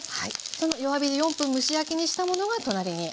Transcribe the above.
その弱火で４分蒸し焼きにしたものが隣にあります。